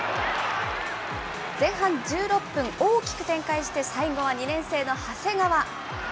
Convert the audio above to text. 前半１６分、大きく展開して、最後は２年生の長谷川。